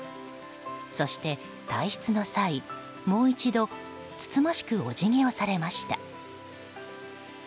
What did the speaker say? そして退出の際、もう一度つつましくお辞儀をされました。